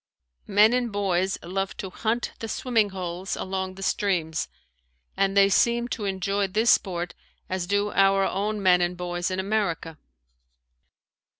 Men and boys love to hunt the swimming holes along the streams and they seem to enjoy this sport as do our own men and boys in America.